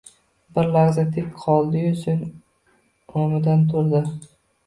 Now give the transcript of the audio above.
Bir lahza tek qoldi-yu, so‘ng o‘midan turdi.